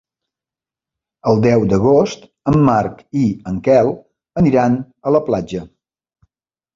El deu d'agost en Marc i en Quel aniran a la platja.